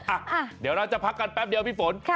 อ่ะเดี๋ยวเราจะพักกันแป๊บเดียวพี่ฝน